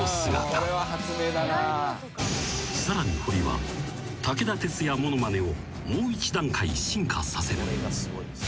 ［さらにホリは武田鉄矢ものまねをもう一段階進化させる］